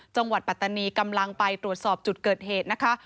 ปัตตานีกำลังไปตรวจสอบจุดเกิดเหตุนะคะ